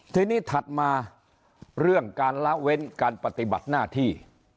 ทีนี้ถัดมาเรื่องการละเว้นการปฏิบัติหน้าที่